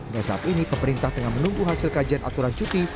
dan saat ini pemerintah tengah menunggu hasil kajian aturan cuti